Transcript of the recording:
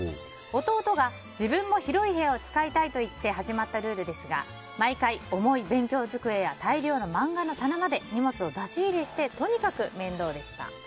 弟が自分も広い部屋を使いたいと言って、始まったルールですが毎回、重い勉強机や大量の漫画の棚まで荷物を出し入れしてとにかく面倒でした。